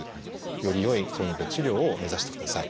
より良い糖尿病治療を目指してください。